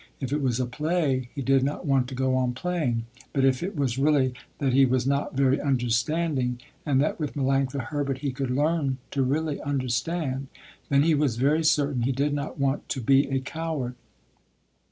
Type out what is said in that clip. If it was a play he did not want to go on playing, but if it was really that he was not very understanding, and that with Melanctha Herbert he could learn to really understand, then he was very certain he did not want to be a coward.